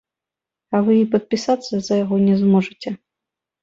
А вы і падпісацца за яго не зможаце!